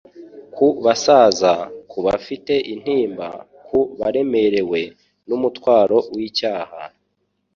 ku basaza, ku bafite intimba, ku baremerewe n'umutwaro w'icyaha,